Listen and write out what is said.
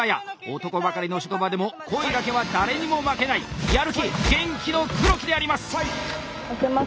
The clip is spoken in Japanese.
男ばかりの職場でも声だけは誰にも負けないやる気・元気の黒木であります！